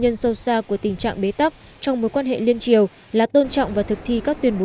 nhân sâu xa của tình trạng bế tắc trong mối quan hệ liên triều là tôn trọng và thực thi các tuyên bố